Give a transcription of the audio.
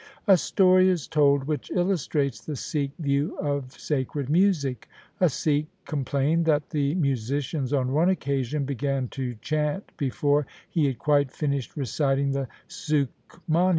A story is told which illustrates the Sikh view of sacred music. A Sikh complained that the musicians on one occasion began to chant before he had quite finished reciting the Sukhmani.